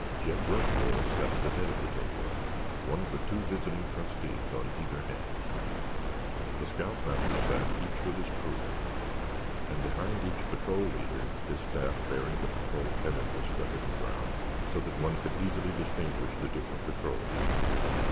Jeb Rushmore sat at the head of the table, one of the two visiting trustees on either hand. The scoutmasters sat each with his troop, and behind each patrol leader his staff bearing the patrol pennant was stuck in the ground so that one could easily distinguish the different patrols.